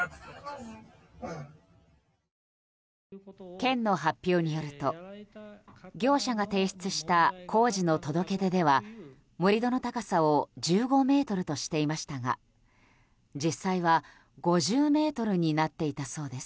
県の発表によると業者が提出した工事の届け出では盛り土の高さを１５ｍとしていましたが実際は５０ｍになっていたそうです。